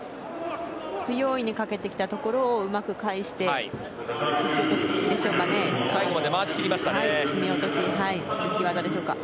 不用意にかけてきたところをうまく返してすみ落としですかね。